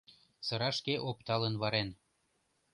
— Сырашке опталын варен.